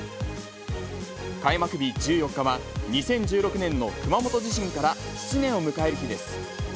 開幕日１４日は、２０１６年の熊本地震から７年を迎える日です。